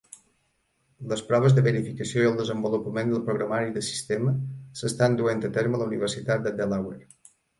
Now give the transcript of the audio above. Les proves de verificació i el desenvolupament del programari de sistema s'estan duent a terme a la Universitat de Delaware.